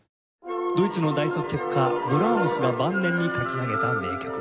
ドイツの大作曲家ブラームスが晩年に書き上げた名曲。